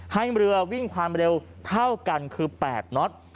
ให้เรือวิ่งความเร็วเท่ากันคือ๘น็อต